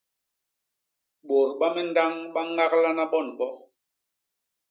Bôt ba mindañ ba ñaglana bo ni bo.